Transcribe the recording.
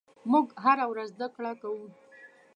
موږ هره ورځ زدهکړه کوو.